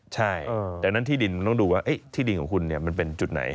ใช่ดังนั้นที่ดินต้องดูว่าที่ดินของคุณมันเป็นจุดไหน